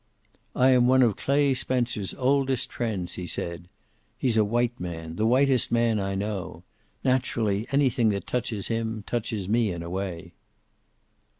"I am one of Clay Spencer's oldest friends," he said. "He's a white man, the whitest man I know. Naturally, anything that touches him touches me, in a way."